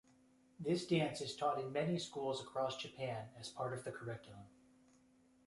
This dance is taught in many schools across Japan as part of the curriculum.